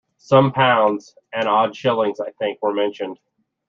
Some pounds, and odd shillings, I think, were mentioned.